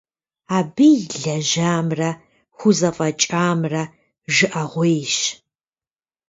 Абы илэжьамрэ, хузэфӀэкӀамрэ жыӀэгъуейщ.